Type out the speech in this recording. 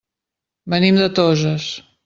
Venim de Toses.